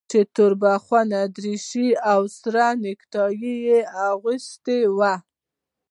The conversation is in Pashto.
چې توربخونه دريشي او سره نيكټايي يې اغوستې وه.